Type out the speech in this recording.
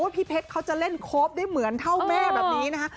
พี่เพชรเขาจะเล่นโค้ปได้เหมือนเท่าแม่แบบนี้นะคะ